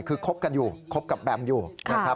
คือคบกันอยู่คบกับแบมอยู่นะครับ